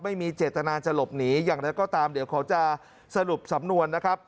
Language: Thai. ไม่มีเจตนาจะหลบหนีอย่างไรก็ตามเดี๋ยวเขาจะสรุปสำนวนนะครับ